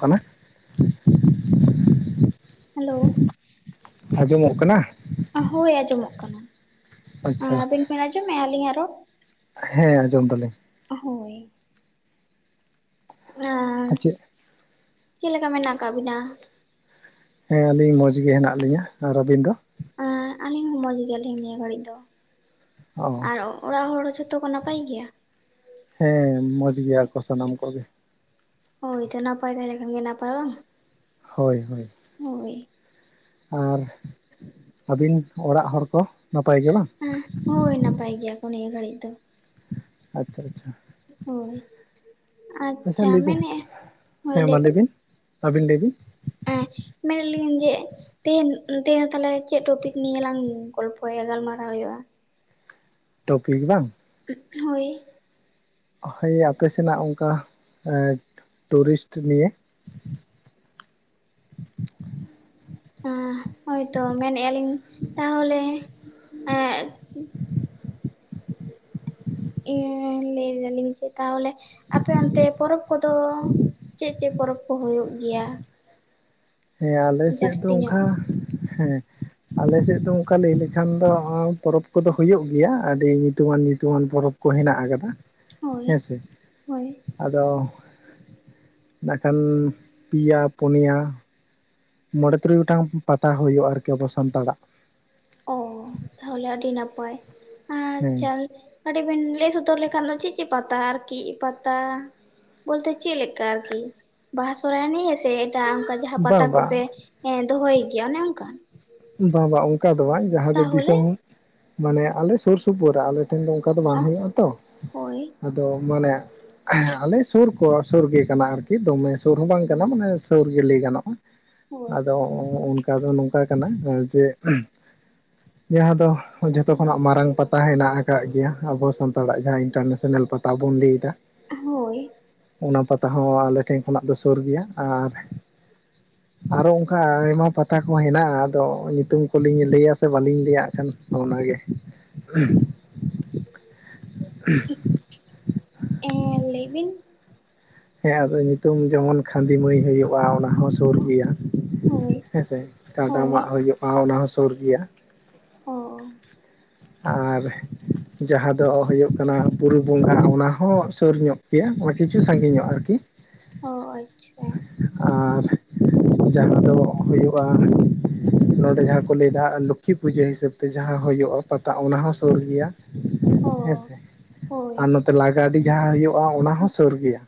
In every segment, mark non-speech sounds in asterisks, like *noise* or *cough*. ᱠᱟᱱᱟ᱾ ᱦᱮᱞᱳ᱾ ᱟᱸᱡᱚᱢᱚᱜ ᱠᱟᱱᱟ᱾ ᱦᱳᱭ ᱟᱸᱡᱚᱢᱚᱜ ᱠᱟᱱᱟ᱾ ᱟ ᱟᱪᱪᱷᱟ ᱟᱵᱤᱱ ᱵᱮᱱ ᱟᱸᱡᱚᱢᱮᱫ-ᱟ ᱟᱹᱞᱤᱧ ᱟᱜ ᱨᱚᱲ? ᱦᱮᱸ ᱟᱸᱡᱚᱢ ᱫᱟᱞᱤᱧ᱾ ᱦᱳᱭ᱾ ᱟᱨ ᱪᱮᱫ? ᱪᱮᱫ ᱞᱮᱠᱟ ᱢᱮᱱᱟᱜ ᱠᱟᱜ ᱵᱤᱱᱟ? ᱦᱮᱸ ᱟᱹᱞᱤᱧ ᱢᱚᱸᱡᱽ ᱜᱮ ᱦᱮᱱᱟᱜ ᱞᱤᱧᱟᱹ, ᱟᱨ ᱟᱹᱵᱤᱱ ᱫᱚ? ᱟᱸᱻ ᱟᱹᱞᱤᱧ ᱦᱚᱸ ᱢᱚᱸᱡᱽ ᱜᱮᱭᱟᱞᱤᱧ ᱱᱤᱭᱟᱹ ᱜᱷᱟᱹᱲᱤᱡ ᱫᱚ᱾ ᱚ ᱟᱨ ᱚᱲᱟᱜ ᱦᱚᱲ ᱡᱷᱚᱛᱚ ᱠᱚ ᱱᱟᱯᱟᱭ ᱜᱮᱭᱟ? ᱦᱮᱸ ᱢᱚᱡᱽ ᱜᱮᱭᱟ ᱠᱚ ᱥᱟᱱᱟᱢ ᱠᱚᱜᱮ᱾ ᱦᱳᱭ ᱛᱚ ᱱᱟᱯᱟᱭ ᱛᱟᱦᱮᱸ ᱞᱮᱝᱠᱷᱟᱱ ᱜᱮ ᱱᱟᱯᱟᱭ ᱵᱟᱝ᱾ ᱦᱳᱭ ᱦᱳᱭ᱾ ᱦᱳᱭ᱾ ᱟᱨ, ᱟᱹᱵᱤᱱ ᱚᱲᱟᱜ ᱦᱚᱲ ᱠᱚ ᱱᱟᱯᱟᱭ ᱜᱮ? ᱵᱟᱝ ᱦᱮᱸ, ᱦᱳᱭ ᱱᱟᱯᱟᱭ ᱜᱮᱭᱟ ᱠᱚ ᱱᱤᱭᱟᱹ ᱜᱷᱟᱹᱲᱤᱡ ᱫᱚ᱾ ᱟᱪᱪᱷᱟ ᱟᱪᱪᱷᱟ᱾ ᱦᱳᱭ, ᱟᱪᱪᱷᱟ ᱞᱟᱹᱭ ᱵᱤᱱ ᱢᱮᱱᱮᱜ᱾ ᱦᱳᱭ ᱞᱟᱹᱭ ᱵᱤᱱ᱾ ᱟᱵᱤᱱ ᱞᱟᱹᱭ ᱵᱤᱱ᱾ ᱮᱸ, ᱢᱮᱱᱮᱫ ᱞᱤᱧ ᱡᱮ ᱛᱮᱦᱮᱸᱱ ᱛᱮᱦᱮᱸᱱ ᱛᱟᱦᱚᱞᱮ ᱪᱮᱫ ᱴᱚᱯᱤᱠ ᱱᱤᱭᱮ ᱞᱟᱝ ᱜᱚᱞᱯᱚᱭᱟ ᱜᱟᱞᱢᱟᱨᱟᱣ ᱦᱩᱭᱩᱜᱼᱟ? ᱴᱚᱯᱤᱠ ᱵᱟᱝ? ᱦᱳᱭ᱾ ᱦᱳᱭ ᱟᱯᱮ ᱥᱮᱱᱟᱜ ᱚᱝᱠᱟ ᱮᱸ ᱴᱩᱨᱤᱥᱴ ᱱᱤᱭᱮ᱾ ᱦᱮᱸ ᱦᱳᱭᱛᱳ ᱢᱮᱱᱮᱜ ᱟᱹᱞᱤᱧ ᱛᱟᱦᱚᱞᱮ ᱮᱸᱜ ᱤᱭᱟᱹ ᱞᱟᱹᱭ ᱫᱟᱞᱤᱧ ᱡᱮ ᱛᱟᱦᱚᱞᱮ ᱟᱯᱮ ᱚᱱᱛᱮ ᱯᱚᱨᱚᱵᱽ ᱠᱚᱫᱚ ᱪᱮᱫ ᱪᱮᱫ ᱯᱚᱨᱚᱵᱽ ᱠᱚ ᱦᱩᱭᱩᱜ ᱜᱮᱭᱟ? ᱦᱮᱸ ᱟᱞᱮ ᱥᱮᱫ ᱫᱚ ᱡᱟᱹᱥᱛᱤ ᱧᱚᱜ ᱚᱝᱠᱟ ᱦᱮᱸ ᱟᱞᱮ ᱥᱮᱫ ᱫᱚ ᱚᱝᱠᱟ ᱞᱟᱹᱭ ᱞᱮᱠᱷᱟᱱ ᱫᱚ ᱯᱚᱨᱚᱵᱽ ᱠᱚᱫᱚ ᱦᱩᱭᱩᱜ ᱜᱮᱭᱟ, ᱟᱹᱰᱤ ᱧᱩᱛᱩᱢᱟᱱ ᱧᱩᱛᱩᱢᱟᱱ ᱯᱚᱨᱚᱵᱽ ᱠᱚ ᱦᱮᱱᱟᱜ ᱟᱠᱟᱫᱟ᱾ ᱦᱳᱭ ᱦᱮᱸᱥᱮ ᱦᱳᱭ ᱾ ᱟᱫᱚ ᱱᱟᱠᱷᱟᱱ ᱯᱮᱭᱟ, ᱯᱚᱱᱮᱭᱟ, ᱢᱚᱬᱮ, ᱛᱩᱨᱩᱭ ᱜᱚᱴᱟᱝ ᱯᱟᱛᱟ ᱦᱩᱭᱩᱜᱼᱟ ᱟᱨᱠᱤ ᱟᱵᱚ ᱥᱟᱱᱛᱟᱲᱟᱜ᱾ ᱚ ᱛᱟᱦᱚᱞᱮ ᱟᱹᱰᱤ ᱱᱟᱯᱟᱭ, ᱦᱮᱸ *unintelligible* ᱠᱟᱹᱴᱤᱡ ᱵᱮᱱ ᱞᱟᱹᱭ ᱥᱚᱫᱚᱨ ᱞᱮᱠᱷᱟᱱ ᱫᱚ ᱪᱮᱫ ᱪᱮᱫ ᱯᱟᱛᱟ ᱟᱨᱠᱤ ᱯᱟᱛᱟ ᱵᱚᱞᱛᱮ ᱪᱮᱫ ᱞᱮᱠᱟ ᱟᱨᱠᱤ ᱵᱟᱦᱟ ᱥᱚᱨᱚᱦᱟᱭ ᱱᱤᱭᱮ ᱥᱮ ᱮᱴᱟᱜ ᱚᱝᱠᱟ ᱡᱟᱦᱟᱸ ᱵᱟᱝ ᱯᱟᱛᱟ ᱠᱚᱯᱮ ᱵᱟᱝ ᱮᱸ ᱫᱚᱦᱚᱭ ᱜᱮᱭᱟ ᱚᱱᱮ ᱚᱝᱠᱟᱱ? ᱵᱟᱝ ᱵᱟᱝ ᱚᱝᱠᱟ ᱫᱚ ᱵᱟᱝ ᱡᱟᱦᱟᱸ ᱫᱚ ᱛᱟᱦᱚᱞᱮ ᱫᱤᱥᱚᱢ, ᱢᱟᱱᱮ ᱟᱞᱮ ᱥᱩᱨ ᱥᱩᱯᱩᱨ ᱨᱮ ᱟᱞᱮ ᱴᱷᱮᱱ ᱫᱚ ᱚᱝᱠᱟ ᱫᱚ ᱵᱟᱝ ᱦᱩᱭᱩᱜ-ᱟ ᱛᱚ ᱦᱳᱭ ᱟᱫᱚ ᱢᱟᱱᱮ ᱦᱮ ᱟᱞᱮ ᱥᱳᱨ ᱠᱚ ᱥᱳᱨ ᱜᱮ ᱠᱟᱱᱟ ᱟᱨᱠᱤ ᱫᱚᱢᱮ ᱥᱳᱨ ᱦᱚᱸ ᱵᱟᱝ ᱠᱟᱱᱟ ᱢᱟᱱᱮ ᱥᱤᱨ ᱜᱮ ᱞᱟᱹᱭ ᱜᱟᱱᱚᱜᱼᱟ᱾ ᱦᱳᱭ ᱟᱫᱚ ᱚᱱᱠᱟ ᱫᱚ ᱱᱚᱝᱠᱟ ᱠᱟᱱᱟ ᱡᱮ ᱡᱟᱦᱟᱸ ᱫᱚ ᱡᱷᱚᱛᱚ ᱠᱷᱚᱱᱟᱜ ᱢᱟᱨᱟᱝ ᱯᱟᱛᱟ ᱦᱮᱱᱟᱜ ᱟᱠᱟᱜ ᱜᱮᱭᱟ, ᱟᱵᱚ ᱥᱟᱱᱛᱟᱲᱟᱜ ᱡᱟᱦᱟᱸ ᱤᱱᱴᱟᱨᱱᱮᱥᱱᱟᱞ ᱯᱟ -ᱛᱟ ᱵᱚᱱ ᱞᱟᱹᱭᱮᱫᱟ᱾ ᱦᱳᱭ᱾ ᱚᱱᱟ ᱯᱟᱛᱟ ᱦᱚᱸ ᱟᱞᱮ ᱴᱷᱮᱱ ᱠᱷᱚᱱᱟᱜ ᱫᱚ ᱥᱩᱨ ᱜᱮᱭᱟ ᱟᱨ ᱟᱨᱚ ᱚᱝᱠᱟ ᱟᱭᱢᱟ ᱯᱟᱛᱟ ᱠᱚ ᱦᱮᱱᱟᱜᱼᱟ ᱟᱫᱚ ᱧᱩᱛᱩᱢ ᱠᱚᱞᱤᱧ ᱞᱟᱹᱭᱟ ᱥᱮ ᱵᱟᱹᱞᱤᱧ ᱞᱟᱹᱭᱟᱜ ᱟᱠᱷᱟᱱ ᱚᱱᱟᱜ ᱜᱮ᱾ *inaudible* ᱮᱸᱻ ᱞᱟᱹᱭ ᱵᱤᱱ ᱾ ᱦᱮᱸ ᱟᱫᱚ ᱧᱩᱛᱩᱢ ᱡᱮᱢᱚᱱ ᱠᱷᱟᱸᱫᱤ ᱢᱟᱹᱭ ᱦᱩᱭᱩᱜᱼᱟ ᱚᱱᱟ ᱦᱚᱸ ᱥᱩᱨ ᱜᱮᱭᱟ ᱦᱳᱭ ᱦᱮᱸ ᱥᱮ, ᱠᱟᱰᱟ ᱦᱳᱭ ᱢᱟᱜ ᱦᱳᱭᱳᱜᱼᱟ ᱚᱱᱟ ᱦᱚᱸ ᱥᱩᱨ ᱜᱮᱭᱟ᱾ ᱚᱻᱚ, ᱟᱨ, ᱡᱟᱦᱟᱸ ᱫᱚ ᱦᱳᱭᱳᱜ ᱠᱟᱱᱟ ᱵᱩᱨᱩ ᱵᱚᱸᱜᱟ ᱚᱱᱟ ᱦᱚᱸ ᱥᱩᱨ ᱧᱚᱜ ᱜᱮᱭᱟ ᱠᱤᱪᱷᱩ ᱥᱟᱺᱜᱤᱧ ᱧᱚᱜ ᱟᱨᱠᱤ, ᱚ ᱟᱪᱪᱷᱟ, ᱟᱨ ᱡᱟᱦᱟᱸ ᱫᱚ ᱦᱩᱭᱩᱜᱼᱟ, ᱱᱚᱸᱰᱮ ᱡᱟᱦᱟᱸ ᱠᱚ ᱞᱟᱹᱭᱫᱟ ᱞᱚᱠᱠᱷᱤ ᱯᱩᱡᱟᱹ ᱦᱤᱥᱟᱹᱵᱽ ᱛᱮ ᱡᱟᱦᱟᱸ ᱦᱳᱭᱳᱜᱼᱟ ᱯᱟ ᱚᱱᱟ ᱦᱚᱸ ᱥᱳᱨ ᱜᱮᱭᱟ ᱚ ᱦᱮᱸᱥᱮ ᱦᱳᱭ ᱟᱨ ᱱᱚᱛᱮ ᱞᱟ ᱜᱟᱹᱰᱤ ᱡᱟᱦᱟᱸ ᱦᱳᱭᱳᱜᱼᱟ ᱚᱱᱟ ᱦᱚᱸ ᱥᱳᱨ ᱜᱮᱭᱟ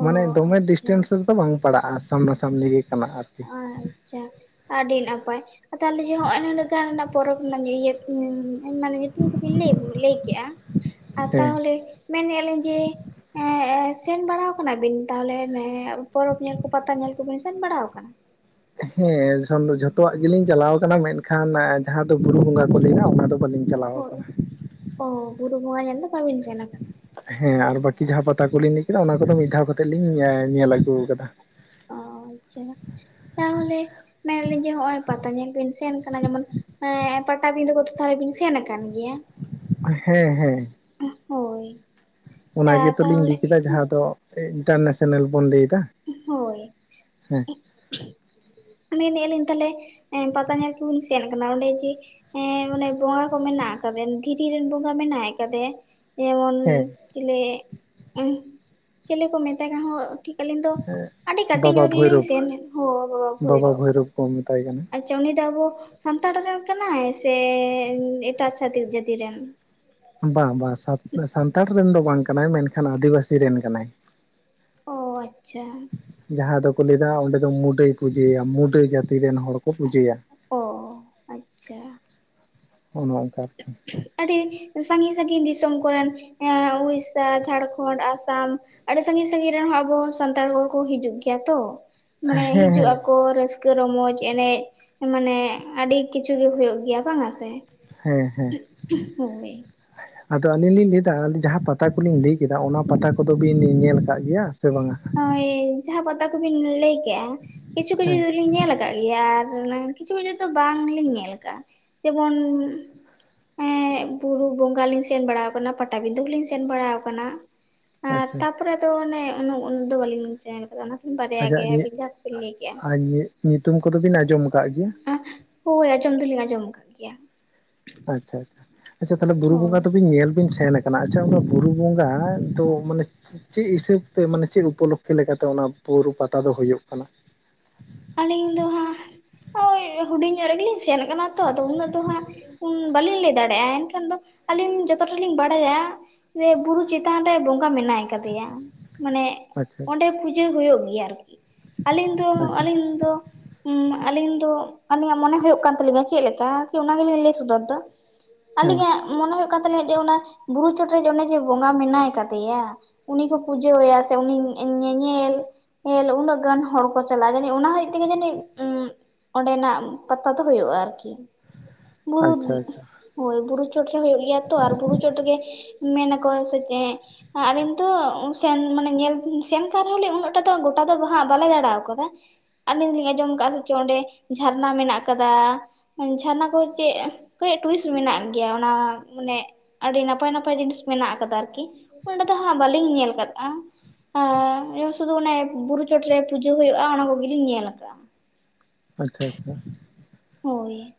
ᱚ ᱫᱚᱢᱮ ᱟᱪᱪᱷᱟ ᱰᱤᱥᱴᱮᱱᱥ ᱨᱮᱫᱚ ᱵᱟᱝ ᱯᱟᱲᱟᱜᱼᱟ ᱾ ᱥᱟᱢᱱᱟ ᱥᱟᱢᱱᱤ ᱜᱮ ᱠᱟᱱᱟ ᱟᱨᱠᱤ, ᱟᱪᱪᱷᱟ ᱟᱹᱰᱤ ᱱᱟᱯᱟᱭ ᱛᱟᱦᱚᱞᱮ ᱡᱮ ᱦᱚᱸᱜᱼᱚᱜ ᱱᱤᱱᱟᱹᱜ ᱜᱟᱱ ᱨᱮᱱᱟᱜ ᱯᱚᱨᱚᱵᱽ ᱨᱮᱱᱟᱜ ᱤᱭᱟᱹ ᱢᱟᱱᱮ ᱧᱩᱛᱩᱢ ᱠᱩᱵᱤᱱ ᱞᱟᱹᱭ ᱞᱟᱹᱭ ᱠᱮᱜᱼᱟ ᱟᱨ ᱦᱮᱸ ᱛᱟᱦᱚᱞᱮ, ᱢᱮᱱᱮᱜᱼᱟ ᱞᱤᱧ ᱡᱮ, ᱥᱮᱱ ᱵᱟᱲᱟᱣ ᱟᱠᱟᱱᱟ ᱵᱤᱱ ᱛᱟᱦᱚᱞᱮ ᱯᱚᱨᱚᱵᱽ ᱧᱮᱞ ᱠᱚ ᱯᱟᱛᱟ ᱧᱮᱞ ᱠᱚᱵᱤᱱ ᱥᱮᱱ ᱵᱟᱲᱟ ᱟᱠᱟᱱᱟ? *unintelligible* ᱦᱮᱸ ᱡᱷᱚᱛᱚᱣᱟᱜ ᱜᱮ ᱞᱤᱧ ᱪᱟᱞᱟᱣ ᱠᱟᱱᱟ ᱢᱮᱱᱠᱷᱟᱱ ᱡᱟᱦᱟᱸ ᱫᱚ ᱵᱩᱨᱩ ᱵᱚᱸᱜᱟ ᱠᱚ ᱞᱟᱹᱭᱱᱟ ᱚᱱᱟ ᱫᱚ ᱵᱟᱹᱞᱤᱧ ᱪᱟᱞᱟᱣ ᱦᱳᱭ ᱟᱠᱟᱱᱟ ᱾ ᱚ ᱵᱩᱨᱩ ᱵᱚᱸᱜᱟ ᱧᱮᱞ ᱫᱚ ᱵᱟᱵᱤᱱ ᱥᱮᱱ ᱟᱠᱟᱱᱟ ᱾ ᱦᱮᱸ ᱟᱨ ᱵᱟᱹᱠᱤ ᱡᱟᱦᱟᱸ ᱯᱟᱛᱟ ᱠᱳᱞᱤᱧ ᱞᱟᱹᱭ ᱠᱮᱫᱟ ᱚᱱᱟ ᱠᱚᱫᱚ ᱢᱤᱫ ᱫᱷᱟᱣ ᱠᱟᱛᱮᱜ ᱞᱤᱧ ᱧᱮᱞ ᱟᱹᱜᱩ ᱟᱠᱟᱫᱟ ᱚ ᱟᱪᱪᱷᱟ ᱛᱟᱦᱚᱞᱮ ᱢᱮᱱᱮ ᱞᱤᱧ ᱡᱮ ᱱᱚᱜᱼᱚᱭ ᱯᱟᱛᱟ ᱧᱮᱞ ᱵᱤᱱ ᱥᱮᱱ ᱠᱟᱱᱟ ᱡᱮᱢᱚᱱ, ᱦᱮᱸ ᱯᱟᱴᱟᱵᱤᱸᱫᱟᱹ ᱠᱚᱫᱚ ᱛᱟᱦᱚᱞᱮ ᱵᱤᱱ ᱥᱮᱱ ᱟᱠᱟᱱ ᱜᱮᱭᱟ ᱦᱮᱸ ᱦᱮᱸ, ᱦᱳᱭ, ᱚᱱᱟ ᱜᱮ ᱛᱚᱞᱤᱧ ᱛᱟᱦᱚᱞᱮ ᱞᱟᱹᱭ ᱠᱮᱫᱟ ᱡᱟᱦᱟᱸ ᱫᱚ ᱤᱱᱴᱟᱨᱱᱮᱥᱮᱱᱮᱞ ᱵᱚᱱ ᱞᱟᱹᱭᱮᱫᱟ, ᱦᱳᱭ ᱢᱮᱱᱮᱜᱼᱟ, ᱞᱤᱧ ᱛᱟᱦᱚᱞᱮ ᱦᱮ ᱯᱟᱛᱟ ᱧᱮᱞ ᱠᱩᱵᱤᱱ, ᱪᱮᱫ ᱠᱟᱱᱟ ᱚᱸᱰᱮ ᱡᱮ ᱮ ᱚᱱᱮ ᱵᱚᱸᱜᱟ ᱠᱚ ᱢᱮᱱᱟᱜ ᱟᱠᱟᱫᱮ ᱫᱷᱤᱨᱤ ᱨᱮᱱ ᱵᱚᱸᱜᱟ ᱢᱮᱱᱟᱭ ᱟᱠᱟᱫᱮᱭᱟ ᱡᱮᱢᱚᱱ ᱦᱮᱸ ᱪᱮᱞᱮ ᱪᱮᱞᱮ ᱠᱚ ᱢᱮᱛ ᱠᱟᱱᱦᱚᱸ ᱴᱷᱤᱠ ᱟᱹᱞᱤᱧ ᱫᱚ ᱟᱹᱰᱤ ᱠᱟᱹᱴᱤᱡ ᱵᱟᱵᱟ ᱧᱚᱜ ᱨᱮᱞᱤᱧ ᱵᱷᱳᱭᱨᱳᱵ ᱥᱮᱱ ᱮᱱᱟ ᱦᱳ ᱵᱟᱵᱟ ᱵᱷᱳᱭᱨᱚᱵᱽ ᱠᱚ ᱢᱮᱛᱟᱭ ᱠᱟᱱᱟ ᱾ ᱟᱪᱪᱷᱟ ᱩᱱᱤ ᱫᱚ ᱟᱵᱚ ᱥᱟᱱᱛᱟᱲ ᱨᱮᱱ ᱠᱟᱱᱟᱭ ᱥᱮ ᱮᱴᱟᱜ ᱪᱷᱟᱛᱤᱠ ᱡᱟᱹᱛᱤ ᱨᱮᱱ? ᱵᱟᱝ ᱵᱟᱝ ᱥᱟᱱᱛᱟᱲ ᱨᱮᱱ ᱫᱚ ᱵᱟᱝ ᱠᱟᱱᱟᱭ, ᱢᱮᱱᱠᱷᱟᱱ ᱟᱹᱫᱤᱵᱟᱹᱥᱤ ᱨᱮᱱ ᱠᱟᱱᱟᱭ᱾ ᱚ ᱟᱪᱪᱷᱟ, ᱡᱟᱦᱟᱸ ᱫᱚ ᱠᱚ ᱞᱟᱹᱭ ᱫᱟ ᱚᱸᱰᱮ ᱫᱚ ᱢᱩᱰᱟᱹᱭ ᱯᱩᱡᱟᱹᱭᱟ ᱢᱩᱰᱟᱹ ᱡᱟᱛᱤ ᱨᱮᱱ ᱦᱚᱲ ᱠᱚ ᱯᱩᱡᱟᱹᱭᱟ, ᱚ ᱟᱪᱪᱷᱟ, ᱚᱱᱚ ᱚᱝᱠᱟ ᱟᱨᱠᱤ ᱟᱹᱰᱤ ᱥᱟᱺᱜᱤᱧ ᱥᱟᱺᱜᱤᱧ ᱫᱤᱥᱚᱢ ᱠᱚᱨᱮᱱ ᱮ ᱩᱲᱤᱥᱥᱟ ᱡᱷᱟᱲᱠᱷᱚᱸᱰ ᱟᱥᱟᱢᱼᱼ ᱟᱹᱰᱤ ᱥᱟᱺᱜᱤᱧ ᱥᱟᱺᱜᱤᱧ ᱨᱮᱱ ᱦᱚᱸ ᱟᱵᱚ ᱥᱟᱱᱛᱟᱲ ᱠᱚ ᱠᱚ ᱦᱤᱡᱩᱜ ᱜᱮᱭᱟ ᱛᱚ, ᱢᱟᱱᱮ ᱦᱮᱸ ᱦᱤᱡᱩᱜ ᱦᱮᱸ ᱟᱠᱚᱼᱼ ᱠᱚ ᱨᱟᱹᱥᱠᱟᱹ ᱨᱚᱢᱚᱡᱽ ᱮᱱᱮᱡ ᱢᱟᱱᱮ ᱟᱹᱰᱤ ᱠᱤᱪᱷᱩ ᱜᱮ ᱦᱩᱭᱩᱜ ᱜᱮᱭᱟ ᱵᱟᱝᱟ ᱥᱮ? ᱦᱮᱸ ᱦᱮᱸ ᱦᱳᱭ ᱟᱫᱚ ᱟᱹᱞᱤᱧ ᱞᱤᱧ ᱞᱮᱫᱟ ᱡᱟᱦᱟᱸ ᱯᱟᱛᱟ ᱠᱚᱞᱤᱧ ᱞᱟᱹᱭ ᱠᱮᱫᱟ ᱚᱱᱟ ᱯᱟᱛᱟ ᱠᱚ ᱫᱚ ᱵᱤᱱ ᱧᱮᱞ ᱠᱟᱜ ᱜᱮᱭᱟ? ᱥᱮ ᱵᱟᱝᱟ ᱦᱳᱭ ᱡᱟᱦᱟᱸ ᱯᱟᱛᱟ ᱠᱩᱵᱤᱱ ᱞᱟᱹᱭ ᱠᱮᱜᱼᱟ ᱠᱤᱪᱷᱩᱼᱼ ᱦᱮᱸ, ᱞᱤᱧ ᱧᱮᱞ ᱠᱟᱜ ᱜᱮᱭᱟ ᱟᱨ ᱠᱤᱪᱷᱩ ᱫᱚ ᱵᱟᱝ ᱞᱤᱧ ᱧᱮᱞ ᱠᱟᱜᱼᱟ, ᱡᱮᱢᱚᱱ ᱮ ᱵᱩᱨᱩ ᱵᱚᱸᱜᱟ ᱞᱤᱧ ᱥᱮᱱ ᱵᱟᱲᱟᱣ ᱠᱟᱱᱟ ᱯᱟᱴᱟᱵᱤᱸᱫᱟᱹ ᱦᱚᱸ ᱞᱤᱧ ᱥᱮᱱ ᱵᱟᱲᱟᱣ ᱠᱟᱱᱟ᱾ ᱟᱪᱪᱷᱟ, ᱛᱟᱯᱚᱨᱮ ᱫᱚ ᱚᱱᱮ ᱩᱱᱟᱹᱜ ᱫᱚ ᱵᱟᱞᱤᱧ ᱧᱮᱞ ᱠᱟᱫᱟ᱾ ᱚᱱᱟ ᱠᱤᱱ ᱵᱟᱨᱭᱟ ᱟᱪᱪᱷᱟ ᱜᱮ‌, ᱟᱵᱤᱱ ᱡᱟᱦᱟ ᱠᱚ ᱵᱤᱱ ᱞᱟᱹᱭ ᱠᱮᱜᱼᱟ᱾ ᱧᱩᱛᱩᱢ ᱠᱚᱫᱚ ᱵᱤᱱ ᱟᱸᱡᱚᱢ ᱠᱟᱜ ᱜᱮᱭᱟ᱾ ᱮᱸᱜ, ᱦᱳᱭ ᱟᱸᱡᱚᱢ ᱫᱚᱞᱤᱧ ᱟᱸᱡᱚᱢ ᱠᱟᱜ ᱜᱮᱭᱟ᱾ ᱟᱪᱪᱷᱟ, ᱟᱪᱪᱷᱟ, ᱟᱪᱪᱷᱟ᱾ ᱛᱟᱦᱞᱮ ᱵᱩᱨᱩ ᱦᱳᱭ ᱵᱚᱸᱜᱟ ᱫᱚᱵᱤᱱ ᱧᱮᱞ ᱵᱤᱱ ᱥᱮᱱ ᱠᱟᱱᱟᱼᱼ ᱠᱟᱱᱟ ᱟᱪᱪᱷᱟ *unintelligible* ᱚᱱᱟ ᱵᱩᱨᱩ ᱵᱚᱸᱜᱟ ᱫᱚ ᱢᱟᱱᱮᱼᱼ ᱪᱮᱫ ᱦᱤᱥᱟᱹᱵ ᱛᱮ, ᱢᱟᱱᱮ ᱪᱮᱫ ᱩᱯᱚᱞᱚᱠᱠᱷᱮ ᱞᱮᱠᱟᱛᱮ ᱚᱱᱟ ᱵᱩᱨᱩ ᱯᱟᱛᱟ ᱫᱚ ᱦᱳᱭᱳᱜ ᱠᱟᱱᱟ? ᱟᱹᱞᱤᱧ ᱫᱚ ᱦᱟᱸᱜ ᱳᱭ ᱦᱩᱰᱤᱧ ᱧᱚᱜ ᱨᱮᱜᱮ ᱞᱤᱧ ᱥᱮᱱ ᱠᱟᱱᱟ ᱛᱚ ᱾ ᱟᱫᱚ ᱩᱱᱟᱹᱜ ᱫᱚ ᱦᱟᱸᱜᱼᱼ ᱩᱸ ᱵᱟᱞᱤᱧ ᱞᱟᱹᱭ ᱫᱟᱲᱮᱭᱟᱜᱼᱟ᱾ ᱮᱱᱠᱷᱟᱱ ᱫᱚ ᱟᱹᱞᱤᱧ ᱡᱚᱛᱚᱴᱟ ᱞᱤᱧ ᱵᱟᱲᱟᱭᱟᱼᱼ ᱵᱩᱨᱩ ᱪᱮᱛᱟᱱ ᱨᱮ ᱵᱚᱸᱜᱟ ᱢᱮᱱᱟᱭ ᱠᱟᱫᱮᱭᱟ᱾ ᱢᱟᱱᱮᱼᱼ ᱟᱪᱪᱷᱟ, ᱟᱪᱪᱷᱟ᱾ ᱚᱸᱰᱮ ᱯᱩᱡᱟᱹ ᱦᱳᱭᱳᱜ ᱜᱮᱭᱟ ᱟᱨᱠᱤ᱾ ᱟᱹᱞᱤᱧ ᱫᱚ, ᱟᱪᱪᱷᱟ ᱟᱹᱞᱤᱧ ᱫᱚᱼᱼ ᱦᱩᱸ ᱟᱞᱤᱧ ᱫᱚ ᱟᱞᱤᱧᱟᱜ ᱢᱚᱱᱮ ᱦᱳᱭᱳᱜ ᱠᱟᱱ ᱛᱟᱹᱞᱤᱧᱟ ᱪᱮᱫ ᱞᱮᱠᱟ ᱾ ᱚᱱᱟ ᱜᱮᱞᱤᱧ ᱞᱟᱹᱭ ᱥᱚᱫᱚᱨ ᱫᱟ᱾ ᱦᱮᱸ ᱟᱞᱤᱧᱟᱜ ᱢᱚᱱᱮ ᱦᱳᱭᱳᱜ ᱠᱟᱱ ᱛᱟᱞᱤᱧᱟ ᱡᱮ, ᱚᱱᱟ ᱵᱩᱨᱩ ᱪᱚᱴᱨᱮ ᱚᱱᱮ ᱡᱮ ᱵᱚᱸᱜᱟ ᱢᱮᱱᱟᱭ ᱠᱟᱫᱮᱭᱟᱼᱼ ᱩᱱᱤ ᱠᱚ ᱯᱩᱡᱟᱹᱣᱭᱟ ᱥᱮ ᱩᱱᱤ ᱧᱮᱧᱮᱞ ᱧᱮᱞ ᱩᱱᱟᱹᱜ ᱜᱟᱱ ᱦᱚᱲ ᱠᱚᱼᱼ ᱪᱟᱞᱟᱜᱼᱟ᱾ ᱡᱟᱹᱱᱤᱡ ᱚᱱᱟ ᱦᱚᱛᱮᱡ ᱛᱮᱜᱮ ᱡᱟᱹᱱᱤᱡ ᱩᱸᱜ ᱚᱸᱰᱮᱱᱟᱜ ᱯᱟᱛᱟ ᱫᱚ ᱦᱳᱭᱳᱜᱼᱟ ᱟᱨᱠᱤ᱾ ᱵᱩᱨᱩ ᱟᱪᱪᱷᱟ ᱟᱪᱪᱷᱟ *unintelligible* ᱦᱳᱭ ᱵᱩᱨᱩ ᱪᱚᱴᱨᱮ ᱦᱳᱭᱳᱜ ᱜᱮᱭᱟ ᱛᱚ, ᱟᱨ ᱵᱩᱨᱩ ᱪᱚᱴ ᱨᱮᱜᱮ ᱢᱮᱱ ᱟᱠᱚ ᱥᱮ ᱪᱮᱫᱼᱼ ᱟᱞᱤᱧ ᱫᱚ ᱥᱮᱱ ᱢᱟᱱᱮ ᱧᱮᱞ ᱥᱮᱱ ᱠᱟᱱ ᱨᱮᱦᱚᱸ ᱞᱤᱧ ᱩᱱᱟᱹᱜ ᱴᱟᱜ ᱫᱚ ᱜᱚᱴᱟ ᱫᱚ ᱦᱟᱜ ᱵᱟᱞᱮ ᱫᱟᱲᱟ ᱠᱟᱫᱟ᱾ *unintelligible* ᱟᱹᱞᱤᱧ ᱞᱤᱧ ᱟᱸᱡᱚᱢ ᱠᱟᱜ-ᱟ ᱥᱮ ᱪᱮᱫ ᱚᱸᱰᱮ ᱡᱷᱟᱨᱱᱟ ᱢᱮᱱᱟᱜ ᱠᱟᱫᱟ᱾ ᱡᱷᱟᱨᱱᱟ ᱠᱚ ᱪᱮᱫ, ᱠᱟᱹᱡ ᱴᱩᱭᱤᱥᱴ *unintelligible* ᱢᱮᱱᱟᱜ ᱜᱮᱭᱟ ᱚᱱᱟ ᱢᱟᱱᱮᱼᱼ ᱟᱹᱰᱤ ᱱᱟᱯᱟᱭ ᱱᱟᱯᱟᱭ ᱡᱤᱱᱤᱥ ᱢᱮᱱᱟᱜ ᱠᱟᱫᱟ ᱟᱨᱠᱤ᱾ ᱚᱸᱰᱮ ᱫᱚ ᱦᱟᱸᱜ ᱵᱟᱹᱞᱤᱧ ᱧᱮᱞ ᱠᱟᱫᱼᱟ᱾ ᱟ ᱥᱩᱫᱩ ᱚᱱᱮ ᱵᱩᱨᱩ ᱪᱚᱴᱨᱮ ᱯᱩᱡᱟᱹ ᱦᱳᱭᱳᱜᱼᱟ, ᱚᱱᱟ ᱠᱚᱜᱮ ᱞᱤᱧ ᱧᱮᱞ ᱠᱟᱜᱼᱟ᱾ ᱟᱪᱪᱷᱟ, ᱟᱪᱪᱷᱟ᱾ ᱦᱳᱭ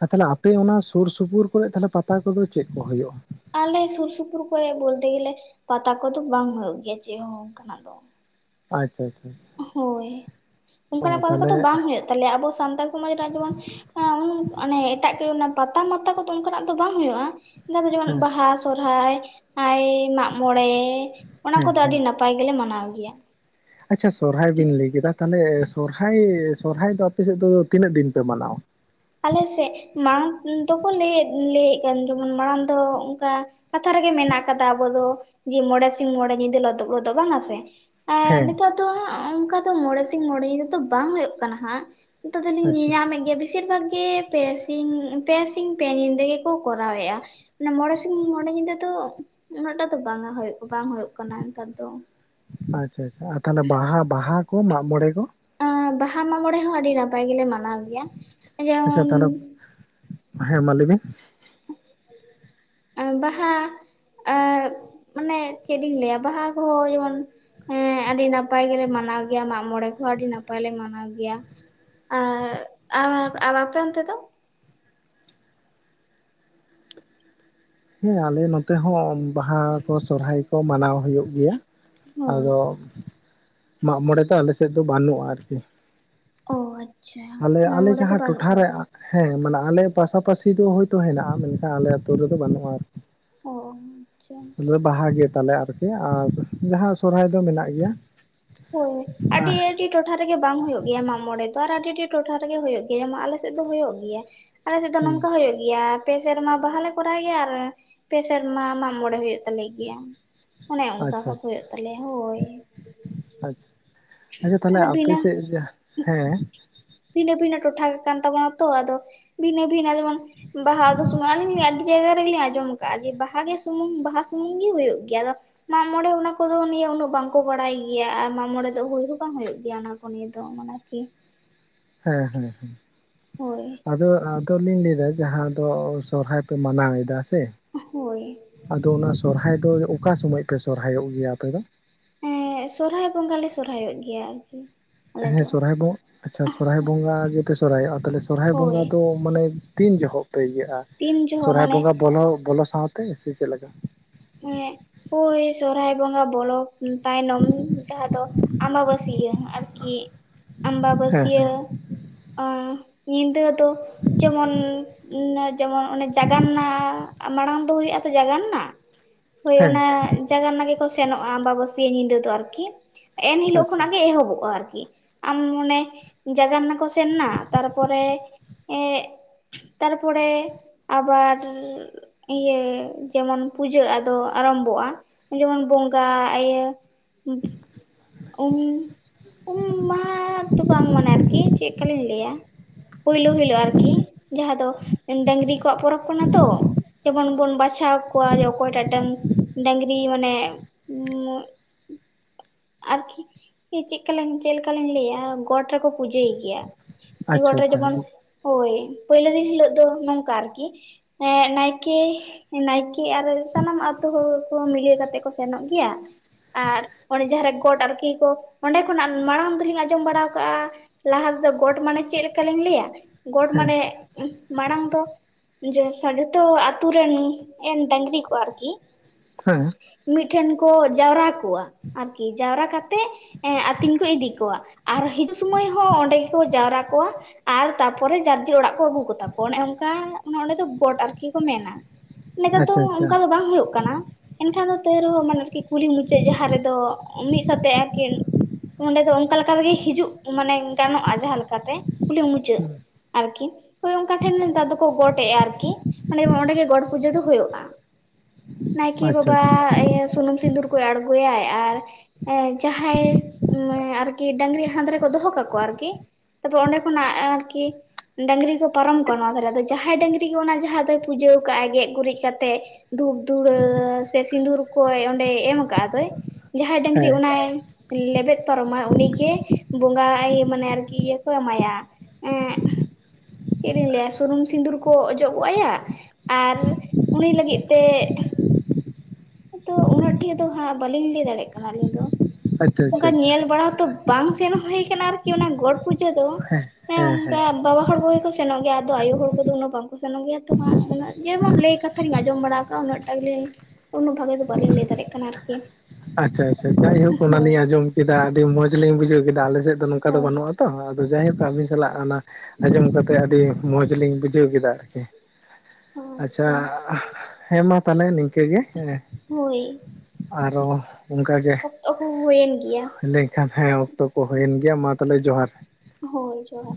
ᱟᱨ ᱛᱟᱦᱞᱮ ᱟᱯᱮ ᱚᱱᱟ ᱥᱳᱨ ᱥᱩᱯᱩᱨ ᱠᱚᱨᱮ ᱛᱟᱦᱞᱮ ᱯᱟᱛᱟ ᱠᱚᱫᱚ ᱪᱮᱫ ᱠᱚ ᱦᱳᱭᱳᱜᱼᱟ? ᱟᱞᱮ ᱥᱩᱨ ᱥᱩᱯᱩᱨ ᱠᱚᱨᱮ ᱵᱚᱞᱛᱮ ᱜᱮᱞᱮ, ᱯᱟᱛᱟ ᱠᱚᱫᱚ ᱵᱟᱝ ᱦᱳᱭᱳᱜ ᱜᱮᱭᱟ ᱪᱮᱫ ᱦᱚᱸ ᱚᱱᱠᱟᱱᱟᱜ ᱫᱚ᱾ ᱟᱪᱪᱷᱟ, ᱟᱪᱪᱷᱟ, ᱟᱪᱪᱷᱟ᱾ ᱦᱳᱭ, ᱚᱱᱠᱟᱱᱟᱜ ᱚ ᱯᱟᱛᱟ ᱫᱚ ᱛᱟᱦᱚᱞᱮ ᱵᱟᱝ ᱦᱳᱭᱳᱜ ᱛᱟᱞᱮᱭᱟ ᱟᱵᱚ ᱥᱟᱱᱛᱟᱲ ᱥᱚᱢᱟᱡᱽ ᱨᱮᱱᱟᱜ ᱡᱮᱢᱚᱱᱼᱼ ᱢᱟᱱᱮ *unintelligible* ᱚᱱᱮ ᱮᱴᱟᱜ ᱠᱚ ᱯᱟᱛᱟ ᱢᱟᱛᱟ ᱠᱚᱫᱚ ᱚᱱᱠᱟᱱᱟᱜ ᱫᱚ ᱵᱟᱝ ᱦᱳᱭᱳᱜᱼᱟ᱾ ᱱᱮᱛᱟᱨ ᱫᱚ ᱦᱮᱸ ᱡᱮᱢᱚᱱ ᱵᱟᱦᱟ, ᱥᱚᱨᱦᱟᱭ ᱟᱭ ᱢᱟᱜ ᱢᱚᱬᱮ ᱚᱱᱟ ᱦᱮᱸ ᱠᱚᱫᱚ ᱟᱹᱰᱤ ᱦᱮᱸ ᱱᱟᱯᱟᱭᱼᱼ ᱱᱟᱯᱟᱭ ᱜᱮᱞᱮ ᱢᱟᱱᱟᱣ ᱜᱮᱭᱟ᱾ ᱟᱪᱪᱷᱟ ᱥᱚᱨᱦᱟᱭ ᱵᱤᱱ ᱞᱟᱹᱭ ᱠᱮᱫᱟ᱾ ᱛᱟᱦᱞᱮ ᱥᱚᱨᱦᱟᱭ, ᱥᱚᱨᱦᱟᱭ ᱫᱚ ᱟᱯᱮ ᱥᱮᱫ ᱫᱚ ᱛᱤᱱᱟᱹᱜ ᱫᱤᱱ ᱯᱮ ᱢᱟᱱᱟᱣᱟ? ᱟᱞᱮ ᱥᱮᱫ, ᱢᱟᱲᱟᱝ ᱫᱚᱠᱚ ᱞᱟᱹᱭ, ᱞᱟᱹᱭᱮᱫ ᱠᱟᱱ ᱡᱮᱢᱚᱱ ᱢᱟᱲᱟᱝ ᱫᱚ ᱚᱱᱠᱟᱼᱼ ᱠᱟᱛᱷᱟ ᱨᱮᱜᱮ ᱢᱮᱱᱟᱜ ᱠᱟᱫᱟ ᱟᱵᱚ ᱫᱚ, ᱡᱮ ᱢᱚᱬᱮ ᱥᱤᱧ ᱢᱚᱬᱮ ᱧᱤᱫᱟᱹ ᱞᱚᱫᱚᱵ ᱞᱚᱫᱚᱵ ᱵᱟᱝ-ᱟ ᱥᱮ᱾ ᱮᱸ ᱦᱮᱸ ᱱᱮᱛᱟᱨ ᱫᱚ ᱦᱟᱜ ᱚᱱᱠᱟ ᱫᱚ ᱢᱚᱬᱮ ᱥᱤᱧ ᱢᱚᱬᱮ ᱧᱤᱫᱟᱹ ᱫᱚ ᱵᱟᱝ ᱦᱳᱭᱳᱜ ᱠᱟᱱᱟ ᱦᱟᱸᱜ᱾ ᱱᱤᱛᱳᱜ ᱫᱚᱞᱤᱧ ᱟᱪᱪᱷᱟ ᱧᱮᱧᱟᱢᱮᱫ ᱜᱮᱭᱟ ᱵᱮᱥᱤᱨ ᱵᱷᱟᱜᱽᱼᱼ ᱜᱮ ᱯᱮ ᱥᱤᱧ, ᱯᱮ ᱥᱤᱧ ᱯᱮ ᱧᱤᱫᱟᱹ ᱜᱮᱠᱚ ᱠᱚᱨᱟᱣᱮᱜ-ᱟ᱾ ᱢᱚᱬᱮ ᱥᱤᱧ ᱢᱚᱬᱮ ᱧᱤᱫᱟᱹ ᱫᱚ, ᱩᱱᱟᱹᱜᱴᱟ ᱫᱚ ᱵᱟᱝᱟ, ᱵᱟᱝ ᱦᱳᱭᱳᱜ ᱠᱟᱱᱟ ᱱᱮᱛᱟᱨ ᱫᱚ᱾ ᱟᱪᱪᱷᱟ, ᱟᱪᱪᱷᱟ ᱟᱨ ᱛᱟᱦᱞᱮ ᱵᱟᱦᱟ, ᱵᱟᱦᱟ ᱠᱚ ᱢᱟᱜᱽ ᱢᱚᱬᱮ ᱠᱚ? ᱮᱸ ᱵᱟᱦᱟ ᱢᱟᱜ ᱢᱚᱬᱮ ᱦᱚᱸ ᱟᱹᱰᱤ ᱱᱟᱯᱟᱭ ᱜᱮᱞᱮ ᱢᱟᱱᱟᱣ ᱜᱮᱭᱟ ᱟᱪᱪᱷᱟ ᱡᱮᱢᱚᱱᱼᱼ ᱛᱟᱦᱚᱞᱮ ᱦᱮᱸ ᱢᱟ ᱞᱟᱹᱭ ᱢᱮ᱾ ᱵᱟᱦᱟ ᱟᱨ ᱢᱟᱱᱮ ᱪᱮᱫ ᱤᱧ ᱞᱟᱹᱭᱼᱟ ᱵᱟᱦᱟ ᱠᱚᱦᱚᱸ ᱡᱮᱢᱚᱱᱼᱼ ᱦᱮᱸ, ᱟᱹᱰᱤ ᱱᱟᱯᱟᱭ ᱜᱮᱞᱮ ᱢᱟᱱᱟᱣ ᱜᱮᱭᱟ ᱢᱟᱜ ᱢᱚᱬᱮ ᱠᱚᱦᱚᱸ᱾ ᱟᱹᱰᱤ ᱱᱟᱯᱟᱭᱞᱮ ᱢᱟᱱᱟᱣ ᱜᱮᱭᱟ᱾ ᱟᱨ, ᱟᱨ ᱟᱯᱮ ᱚᱱᱛᱮ ᱫᱚ? ᱦᱮᱸ ᱟᱞᱮ ᱱᱚᱛᱮ ᱦᱚᱸ ᱵᱟᱦᱟ ᱠᱚ, ᱥᱚᱦᱨᱟᱭ ᱠᱚ ᱢᱟᱱᱟᱣ ᱦᱳᱭᱳᱜ ᱜᱮᱭᱟ᱾ ᱦᱳᱭ ᱟᱫᱚ ᱢᱟᱜ ᱢᱚᱬᱮ ᱫᱚ ᱟᱞᱮ ᱥᱮᱫ ᱫᱚ ᱵᱟᱱᱩᱜᱼᱟ ᱟᱨᱠᱤ᱾ ᱚ ᱟᱪᱪᱷᱟ ᱟᱞᱮ ᱟᱞᱮ ᱢᱟᱜᱢᱚᱬᱮ ᱫᱚ ᱡᱟᱦᱟᱸ ᱵᱟᱹᱱᱩᱜ ᱴᱚᱴᱷᱟᱨᱮ ᱠᱟᱫᱟ᱾ ᱦᱮᱸ ᱢᱟᱱᱮ ᱟᱞᱮ ᱯᱟᱥᱟᱯᱟᱥᱤ ᱫᱚ ᱦᱳᱭᱛᱳ ᱦᱮᱱᱟᱜᱼᱟ ᱢᱮᱱᱠᱷᱟᱱ ᱟᱞᱮ ᱟᱹᱛᱳ ᱨᱮᱫᱚ ᱵᱟᱹᱱᱩᱜᱼᱟ᱾ ᱚ ᱚ ᱟᱪᱪᱷᱟ᱾ ᱟᱫᱚ ᱵᱟᱦᱟ ᱜᱮ ᱛᱟᱞᱮ ᱟᱨᱠᱤ ᱟᱨ ᱡᱟᱦᱟᱸ ᱥᱚᱦᱨᱟᱭ ᱫᱚ ᱢᱮᱱᱟᱜ ᱜᱮᱭᱟ᱾ ᱦᱳᱭ ᱟᱹᱰᱤ ᱰᱤ ᱴᱚᱴᱷᱟ ᱨᱮᱜᱮ ᱵᱟᱝ ᱦᱳᱭᱳᱜ ᱜᱮᱭᱟ ᱢᱟᱜ ᱢᱚᱬᱮ ᱫᱚ ᱟᱨ ᱟᱹᱰᱤ ᱟᱹᱰᱤ ᱴᱚᱴᱷᱟ ᱨᱮᱜᱮ ᱦᱳᱭᱳᱜ ᱜᱮᱭᱟ ᱟᱞᱮᱥᱮᱫ ᱫᱚ ᱦᱳᱭᱳᱜ ᱜᱮᱭᱟ᱾ ᱟᱞᱮ ᱥᱮᱫ ᱫᱚ ᱱᱚᱝᱠᱟ ᱦᱩᱸ ᱦᱳᱭᱳᱜ ᱜᱮᱭᱟ᱾ ᱯᱮ ᱥᱮᱨᱢᱟ ᱵᱟᱦᱟ ᱞᱮ ᱠᱚᱨᱟᱣ ᱜᱮᱭᱟ ᱟᱨ ᱯᱮ ᱥᱮᱨᱢᱟ ᱢᱟᱜ ᱢᱚᱬᱮ ᱦᱳᱭᱳᱜ ᱛᱟᱞᱮ ᱜᱮᱭᱟ᱾ ᱚᱱᱮ ᱚᱱᱠᱟ ᱵᱷᱟᱵᱽ ᱦᱳᱭᱳᱜ ᱛᱟᱞᱮᱭᱟ ᱦᱳᱭ᱾ ᱟᱪ ᱟᱪᱪᱷᱟ ᱛᱟᱦᱟᱞᱮ ᱟᱫᱚ ᱟᱯᱮ ᱵᱷᱤᱱᱟᱹ ᱥᱮᱫ ᱡᱟᱦ ᱦᱮᱸ, ᱵᱷᱤᱱᱟᱹ ᱵᱷᱤᱱᱟᱹ ᱴᱚᱴᱷᱟ ᱜᱮ ᱠᱟᱱ ᱛᱟᱵᱚᱱᱟ ᱛᱚ ᱟᱫᱚ ᱵᱷᱤᱱᱟᱹ ᱵᱷᱤᱱᱟᱹ ᱡᱮᱢᱚᱱ, ᱵᱟᱦᱟ ᱫᱚ ᱥᱩᱢᱟᱱ ᱜᱮᱭᱟ ᱟᱹᱰᱤ ᱡᱟᱭᱜᱟ ᱨᱮᱜᱮᱞᱤᱧ ᱟᱸᱡᱚᱢ ᱠᱟᱜᱼᱟ ᱡᱮ ᱵᱟᱦᱟ ᱜᱮ ᱥᱩᱢᱩᱝ ᱵᱟᱦᱟ ᱥᱩᱢᱩᱝ ᱜᱮ ᱦᱳᱭᱳᱜ ᱜᱮᱭᱟ ᱟᱫᱚ᱾ ᱢᱟᱜ ᱢᱚᱬᱮ ᱚᱱᱟ ᱠᱚᱫᱚ ᱱᱤᱭᱟᱹ ᱩᱱᱟᱹᱜ ᱵᱟᱝᱠᱚ ᱠᱚᱨᱟᱭ ᱜᱮᱭᱟ ᱟᱨ ᱢᱟᱜ ᱢᱚᱬᱮ ᱫᱚ ᱦᱳᱭ ᱦᱚᱸ ᱵᱟᱝ ᱦᱳᱭᱳᱜ ᱜᱮᱭᱟ ᱚᱱᱟ ᱠᱚ ᱱᱤᱭᱟᱹ ᱫᱚ᱾ ᱮᱢᱚᱱ ᱟᱨᱠᱤ, ᱦᱮᱸ ᱦᱮᱸ ᱦᱮᱸ᱾ ᱦᱳᱭ, ᱟᱫᱚ ᱟᱫᱚᱞᱤᱧ ᱞᱟᱹᱭᱫᱟ ᱡᱟᱦᱟᱸ ᱫᱚ ᱥᱚᱦᱨᱟᱭ ᱯᱮ ᱢᱟᱱᱟᱣ ᱮᱫᱟ ᱥᱮ, ᱦᱳᱭ, ᱟᱫᱚ ᱚᱱᱟ ᱥᱚᱦᱨᱟᱭ ᱫᱚ ᱚᱠᱟ ᱥᱩᱢᱟᱹᱡ ᱯᱮ ᱥᱚᱦᱨᱟᱭᱚᱜ ᱜᱮᱭᱟ ᱟᱯᱮ ᱫᱚ? ᱮᱸᱻ ᱥᱚᱨᱦᱟᱭ ᱵᱚᱸᱜᱟ ᱞᱮ ᱥᱚᱦᱨᱟᱭᱚᱜ ᱜᱮᱭᱟ ᱟᱨᱠᱤ᱾ ᱟᱞᱮ ᱦᱮᱸ ᱫᱚ ᱥᱚᱦᱨᱟᱭ ᱵᱚᱸᱜ ᱟᱪᱪᱷᱟ ᱥᱚᱦᱨᱟᱭ ᱵᱚᱸᱜᱟ ᱜᱮᱯᱮ ᱥᱚᱦᱨᱟᱭᱚᱜᱼᱟ ᱛᱟᱦᱞᱮ ᱥᱚᱦᱨᱟᱭ ᱵᱚᱸᱜᱟ ᱦᱳᱭ ᱫᱚ, ᱢᱟᱱᱮ ᱛᱤᱱ ᱡᱚᱦᱚᱜ ᱯᱮ ᱤᱭᱟᱹᱜᱼᱟ ᱛᱤᱱ ᱡᱚᱦᱚᱜ ᱥᱚᱦᱨᱟᱭ ᱢᱟᱱᱮ ᱵᱚᱸᱜᱟ ᱵᱚᱞᱚ ᱵᱚᱞᱚ ᱥᱟᱶᱛᱮ ᱥᱮ ᱪᱮᱫ ᱞᱮᱠᱟ? ᱮᱸᱜ ᱦᱳᱭ ᱥᱚᱦᱨᱟᱭ ᱵᱚᱸᱜᱟ ᱵᱚᱞᱚ ᱛᱟᱭᱱᱚᱢ ᱡᱟᱦᱟᱸ ᱫᱚ, ᱟᱢᱵᱟ ᱵᱟᱹᱥᱭᱟᱹ ᱟᱨᱠᱤ ᱟᱢᱵᱟ ᱦᱮᱸ ᱵᱟᱹᱥᱭᱟᱹ᱾ ᱟᱸᱦ ᱧᱤᱫᱟᱹ ᱫᱚ, ᱡᱮᱢᱚᱱ ᱚᱱᱮ ᱡᱮᱢᱚᱱ ᱚᱱᱮ ᱡᱟᱜᱟᱱᱱᱟ ᱢᱟᱲᱟᱝ ᱫᱚ ᱦᱳᱭᱳᱜᱼᱟ ᱛᱚ ᱡᱟᱜᱟᱱᱱᱟ᱾ ᱦᱳᱭ ᱦᱮᱸ ᱚᱱᱟ ᱡᱟᱜᱟᱱᱱᱟ ᱜᱮᱠᱚ ᱥᱮᱱᱚᱜᱼᱟ ᱟᱢᱵᱟ ᱵᱟᱹᱥᱤᱭᱟᱹ ᱧᱤᱫᱟᱹ ᱫᱚ ᱟᱨᱠᱤ᱾ ᱦᱮᱸ ᱮᱱᱦᱤᱞᱳᱜ ᱟᱪᱪᱷᱟ ᱠᱷᱚᱱᱟᱜ ᱜᱮ ᱮᱦᱚᱵᱚᱜᱼᱟ ᱟᱨᱠᱤ᱾ ᱟᱢ ᱢᱚᱱᱮ ᱡᱟᱜᱟᱱᱱᱟ ᱠᱚ ᱥᱮᱱᱮᱱᱟ ᱛᱟᱨᱯᱚᱨᱮ ᱮᱜ, ᱛᱟᱨᱯᱚᱨᱮ ᱟᱵᱟᱨ ᱤᱭᱟᱹ ᱡᱮᱢᱚᱱ, ᱯᱩᱡᱟᱹᱜ ᱟᱫᱚ ᱟᱨᱟᱢᱵᱷᱚᱜᱼᱟ ᱡᱮᱢᱚᱱ ᱵᱚᱸᱜᱟ ᱟᱭᱟᱹ ᱩᱢ ᱩᱢ ᱢᱟᱦᱟ ᱫᱚ ᱵᱟᱝ ᱢᱟᱱᱮ ᱟᱨᱠᱤ ᱪᱮᱫᱠᱟ ᱞᱤᱧ ᱞᱟᱹᱭᱼᱟ᱾ ᱯᱩᱭᱞᱩ ᱦᱤᱞᱳᱜ ᱟᱨᱠᱤ ᱡᱟᱦᱟᱸ ᱫᱚ ᱰᱟᱝᱨᱤ ᱠᱚᱣᱟᱜ ᱯᱚᱨᱚᱵ ᱠᱟᱱᱟ ᱛᱚ᱾ ᱡᱮᱢᱚᱱ ᱵᱚᱱ ᱵᱟᱪᱷᱟᱣ ᱠᱚᱣᱟ ᱡᱮ ᱚᱠᱚᱭᱴᱟᱜ ᱰᱟᱝ ᱰᱟᱝᱨᱤ ᱢᱟᱱᱮ ᱩᱢᱻ, ᱟᱨᱠᱤ ᱪᱮᱜᱠᱟᱞᱤᱧ ᱪᱮᱫᱞᱮᱠᱟᱞᱤᱧ ᱞᱟᱹᱭᱟ ᱜᱚᱸᱴ ᱨᱮᱠᱚ ᱯᱩᱡᱟᱹᱭ ᱜᱮᱭᱟ᱾ ᱟᱪᱪᱷᱟ ᱜᱚᱸᱴ ᱨᱮᱫᱚ ᱟᱪᱪᱷᱟ ᱡᱮᱢᱚᱱ, ᱦᱮᱸ ᱦᱳᱭ ᱯᱳᱭᱞᱳ ᱫᱤᱱ ᱦᱤᱞᱳᱜ ᱫᱚ ᱱᱚᱝᱠᱟ ᱟᱨᱠᱤ ᱮ ᱱᱟᱭᱠᱮ, ᱦᱮᱸ ᱱᱟᱭᱠᱮ ᱟᱨ ᱥᱟᱱᱟᱢ ᱟᱛᱳ ᱦᱚᱲ᱾ ᱠᱳ ᱱᱤᱭᱟᱹ ᱠᱟᱛᱮᱜ ᱠᱚ ᱥᱮᱱᱚᱜ ᱜᱮᱭᱟ ᱟᱨ ᱚᱱᱮ ᱡᱟᱦᱟᱸ ᱨᱮ ᱠᱚᱴ ᱟᱨᱠᱤ ᱠᱚ ᱚᱸᱰᱮ ᱠᱷᱚᱱᱟᱜ ᱢᱟᱲᱟᱝ ᱫᱩᱞᱤᱧ ᱟᱸᱡᱚᱢ ᱵᱟᱲᱟ ᱠᱟᱜᱼᱟ᱾ ᱞᱟᱦᱟ ᱛᱮᱫᱚ ᱜᱚᱸᱴ ᱢᱟᱱᱮ ᱪᱮᱫ ᱞᱮᱠᱟᱞᱤᱧ ᱞᱟᱹᱭᱼᱟ ᱜᱚᱸᱴ ᱢᱟᱱᱮ, ᱢᱟᱲᱟᱝ ᱫᱚ ᱡᱟᱹᱥ-ᱟ ᱡᱚᱛᱚ ᱟᱛᱩ ᱨᱮᱱ ᱰᱟᱝᱨᱤ ᱠᱚ ᱟᱨᱠᱤ, ᱦᱮᱸ ᱢᱤᱫᱴᱷᱮᱱ ᱠᱚ ᱡᱟᱣᱨᱟ ᱠᱚᱣᱟ ᱟᱨᱠᱤ ᱡᱟᱣᱨᱟ ᱠᱟᱛᱮᱜ ᱮᱜ ᱟᱹᱛᱤᱧ ᱠᱚ ᱤᱫᱤ ᱠᱚᱣᱟ᱾ ᱟᱨ ᱦᱤᱡᱩᱜ ᱥᱩᱢᱟᱹᱭ ᱦᱚᱸ ᱚᱸᱰᱮ ᱜᱮᱠᱚ ᱡᱟᱣᱨᱟ ᱠᱚᱣᱟ᱾ ᱟᱨ ᱛᱟᱨᱯᱚᱨᱮ ᱡᱟᱨᱡᱤᱨ ᱚᱲᱟᱜ ᱠᱚ ᱟᱹᱜᱩ ᱠᱚᱛᱟ ᱠᱚᱣᱟ ᱚᱱᱮ ᱚᱱᱠᱟ ᱚᱱᱮ ᱚᱸᱰᱮ ᱫᱚ ᱜᱚᱴ ᱟᱨᱠᱤ ᱠᱚ ᱢᱮᱱᱟ᱾ ᱱᱮᱛᱟᱨ ᱫᱚ ᱟᱪᱪᱷᱟ ᱟᱪᱪᱷᱟ ᱚᱱᱠᱟ ᱫᱚ ᱵᱟᱝ ᱦᱩᱭᱩᱜ ᱠᱟᱱᱟ ᱮᱱᱠᱷᱟᱱ ᱫᱚ ᱛᱟᱹᱭ ᱨᱮᱦᱚᱸ ᱢᱟᱱᱮ ᱟᱨᱠᱤ ᱠᱩᱞᱦᱤ ᱢᱩᱪᱟᱹᱜ ᱡᱟᱦᱟᱸ ᱨᱮᱫᱚ ᱢᱤᱫ ᱥᱟᱛᱮ ᱟᱨᱠᱤᱱ ᱚᱸᱰᱮ ᱫᱚ ᱚᱱᱠᱟ ᱞᱮᱠᱟ ᱛᱮᱜᱮ ᱦᱤᱡᱩᱜ ᱢᱟᱱᱮ ᱜᱟᱱᱚᱜ-ᱟ ᱡᱟᱦᱟᱸ ᱞᱮᱠᱟᱛᱮ ᱠᱩᱞᱦᱤ ᱢᱩᱪᱟᱹᱫ᱾ ᱦᱩᱸ ᱟᱨᱠᱤ ᱦᱳᱭ ᱚᱱᱠᱟᱱ ᱴᱷᱮᱱ ᱱᱮᱛᱟᱨ ᱫᱚᱠᱚ ᱜᱚᱴ ᱮᱜᱟ ᱟᱨᱠᱤ ᱢᱟᱱᱮ ᱚᱸᱰᱮ ᱜᱮ ᱜᱚᱴ ᱯᱩᱡᱟᱹ ᱫᱚ ᱦᱳᱭᱳᱜ-ᱟ᱾ *inaudible* ᱱᱟᱭᱠᱮ ᱟᱪᱪᱷᱟ ᱵᱟᱵᱟ ᱟᱪᱪᱷᱟ ᱤᱭᱟᱹ ᱥᱩᱱᱩᱢ ᱥᱤᱫᱩᱨ ᱠᱚᱭ ᱟᱬᱜᱩᱭᱟᱭ ᱟᱨ ᱮ ᱡᱟᱦᱟᱸᱭ ᱟᱨᱠᱤ ᱰᱟᱝᱨᱤ ᱦᱟᱸᱱᱛᱮ ᱨᱮᱠᱚ ᱫᱚᱦᱚᱸ ᱠᱟᱠᱚᱣᱟ ᱟᱨᱠᱤ ᱛᱟᱯᱚᱨ ᱚᱸᱰᱮ ᱠᱷᱚᱱᱟᱜ ᱟᱨᱠᱤ ᱰᱟᱹᱝᱨᱤ ᱠᱚ ᱯᱟᱨᱚᱢ ᱠᱚᱣᱟ ᱱᱚᱣᱟ ᱫᱷᱟᱨᱮ ᱫᱚ ᱡᱟᱦᱟᱸᱭ ᱰᱟᱹᱝᱨᱤ ᱜᱮ ᱚᱱᱟ ᱡᱟᱦᱟᱸ ᱫᱚᱭ ᱯᱩᱡᱟᱹᱣ ᱠᱟᱜᱟᱭ ᱜᱮᱡ ᱜᱩᱨᱤᱡ ᱠᱟᱛᱮᱜ ᱫᱷᱩᱯ ᱫᱷᱩᱲᱟᱹ ᱥᱮ ᱥᱤᱸᱫᱩᱨ ᱠᱚᱭ ᱚᱸᱰᱮᱭ ᱮᱢ ᱟᱠᱟᱜᱟ ᱫᱚᱭ *unintelligible* ᱰᱟᱹᱝᱨᱤ ᱦᱮᱸ ᱚᱱᱟᱭ ᱞᱮᱵᱮᱫ ᱯᱟᱨᱚᱢᱟ ᱩᱱᱤᱜᱮ ᱵᱚᱸᱜᱟ ᱮᱭ ᱢᱟᱱᱮ ᱟᱨᱠᱤ ᱤᱭᱟᱹ ᱠᱚ ᱮᱢᱟᱭᱟ᱾ ᱩᱜ ᱪᱮᱜ ᱞᱤᱧ ᱞᱟᱹᱭᱟ ᱥᱩᱱᱩᱢ ᱥᱤᱫᱩᱨ ᱠᱚ ᱚᱡᱚᱜ ᱜᱚᱜ ᱟᱭᱟ ᱟᱨ ᱩᱱᱤ ᱞᱟᱹᱜᱤᱫ ᱛᱮ ᱛᱚ ᱩᱱᱟᱹᱜ ᱴᱷᱮ ᱫᱚ ᱦᱟᱜ ᱵᱟᱹᱞᱤᱧ ᱞᱟᱹᱭ ᱫᱟᱲᱮᱜ ᱠᱟᱱᱟ ᱟᱹᱞᱤᱧ ᱫᱚ ᱟᱪᱪᱷᱟ ᱚᱱᱠᱟ ᱟᱪᱪᱷᱟ ᱟᱪᱪᱷᱟ ᱧᱮᱞ ᱵᱟᱲᱟ ᱦᱚᱸᱛᱚ ᱵᱟᱝ ᱥᱮᱱ ᱦᱩᱭ ᱠᱟᱱᱟ ᱟᱨᱠᱤ ᱚᱱᱟ ᱜᱚᱴ ᱯᱩᱡᱟᱹ ᱫᱚ ᱦᱮᱸ ᱚᱱᱮ ᱦᱮᱸ ᱚᱱᱠᱟ ᱦᱮᱸ ᱵᱟᱵᱟ ᱦᱚᱲ ᱠᱚᱜᱮ ᱠᱚ ᱥᱮᱱᱚᱜ ᱜᱮᱭᱟ ᱟᱫᱚ ᱟᱭᱩ ᱦᱚᱲ ᱠᱚᱫᱚ ᱩᱱᱟᱹᱜ ᱵᱟᱝᱠᱚ ᱥᱮᱱᱚᱜ ᱜᱮᱭᱟ ᱛᱚ ᱦᱟᱜ ᱩᱱᱟᱹᱜ ᱡᱮᱢᱚᱱ ᱞᱟᱹᱭ ᱠᱟᱛᱷᱟ ᱨᱮᱧ ᱟᱸᱡᱚᱢ ᱵᱟᱲᱟ ᱟᱠᱟᱜᱟ ᱩᱱᱟᱹᱜ ᱴᱟᱜᱤᱧ ᱩᱱᱟᱹ ᱵᱷᱟᱜᱮ ᱫᱚ ᱵᱟᱹᱞᱤᱧ ᱞᱟᱹᱭ ᱫᱟᱨᱮᱜ ᱠᱟᱱᱟ ᱟᱨᱠᱤ᱾ ᱟᱪᱪᱷᱟ ᱟᱪᱪᱷᱟ ᱟᱪᱪᱷᱟ ᱡᱟᱭᱦᱳᱠᱽ ᱦᱳᱭ ᱚᱱᱟᱞᱤᱧ ᱟᱸᱡᱚᱢ ᱠᱮᱫᱟ ᱟᱹᱰᱤ ᱢᱚᱸᱡᱽᱞᱤᱧ ᱵᱩᱡᱷᱟᱹᱣ ᱠᱮᱫᱟ ᱟᱞᱮᱥᱮᱫ ᱫᱚ ᱱᱚᱝᱠᱟ ᱫᱚ ᱦᱳᱭ ᱵᱟᱹᱱᱩᱜ ᱟ᱾ ᱛᱚ ᱟᱫᱚ ᱡᱟᱭᱦᱳᱠ ᱟᱵᱤᱱ ᱥᱟᱞᱟᱜ ᱚᱱᱟ ᱟᱸᱡᱚᱢ ᱠᱟᱛᱮᱜ ᱟᱹᱰᱤ ᱢᱚᱡᱽ ᱞᱤᱧ ᱵᱩᱡᱷᱟᱹᱣ ᱠᱮᱫᱟ ᱟᱨᱠᱤ᱾ ᱟᱪᱪᱷᱟ ᱦᱮᱸᱢᱟ ᱛᱟᱞᱮ ᱱᱤᱝᱠᱟᱹ ᱜᱮ ᱦᱮᱸ᱾ ᱦᱩᱭ᱾ ᱟᱨᱚ ᱚᱱᱠᱟᱜᱮ ᱠᱚ ᱦᱩᱭᱮᱱ ᱜᱮᱭᱟ ᱰᱮ ᱮᱱᱠᱷᱟᱱ ᱦᱮᱸ ᱚᱠᱛᱚ ᱠᱚ ᱦᱩᱭᱮᱱ ᱜᱮᱭᱟ ᱢᱟ ᱛᱟᱞᱦᱮ ᱡᱚᱦᱟᱨ᱾ ᱦᱳᱭ ᱡᱚᱦᱟᱨ᱾